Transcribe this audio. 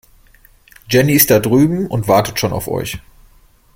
Jenny ist da drüben und wartet schon auf euch.